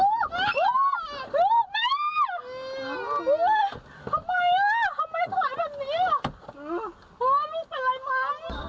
โอ้มีเป็นอะไรมั้ง